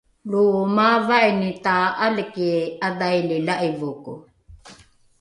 lo maava’ini ta’aliki ’adhaili la’ivoko